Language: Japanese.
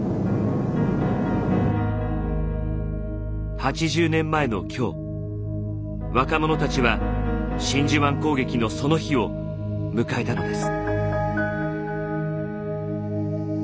８０年前の今日若者たちは真珠湾攻撃のその日を迎えたのです。